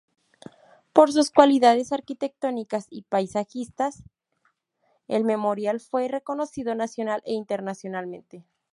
Por sus cualidades arquitectónicas y paisajísticas, el Memorial fue reconocido nacional e internacionalmente.